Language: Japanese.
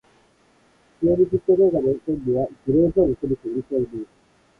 ゲーム実況動画の権利はグレーゾーンを攻めていると思う。